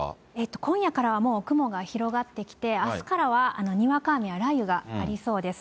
今夜からはもう雲が広がってきて、あすからはにわか雨や雷雨がありそうです。